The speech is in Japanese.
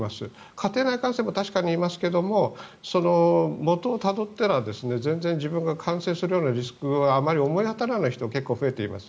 家庭内感染も確かにいますけど元をたどったら全然自分が感染するようなリスクはあまり思い当たらない人が結構、増えています。